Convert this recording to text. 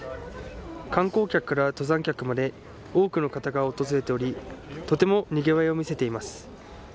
観光客から登山客まで多くの方が訪れておりとてもにぎわいを見せています。